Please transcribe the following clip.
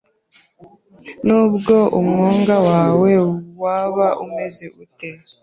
Nubwo umwuga wawe waba umeze ute,